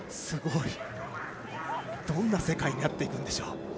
すごいどんな世界になっていくんでしょう。